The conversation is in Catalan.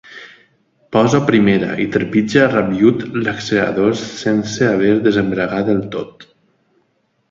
Posa primera i trepitja rabiüt l'accelerador sense haver desembragat del tot.